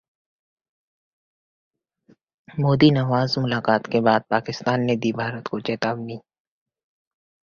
मोदी-नवाज मुलाकात के बाद पाकिस्तान ने दी भारत को चेतावनी